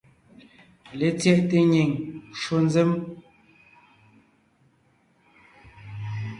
LetsyɛꞋte nyìŋ ncwò nzěm.